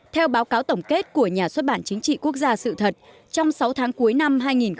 theo báo cáo tổng kết của nhà xuất bản chính trị quốc gia sự thật trong sáu tháng cuối năm hai nghìn một mươi chín